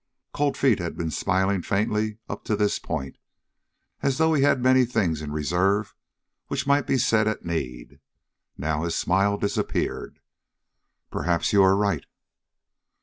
Cold Feet had been smiling faintly up to this point, as though he had many things in reserve which might be said at need. Now his smile disappeared. "Perhaps you're right."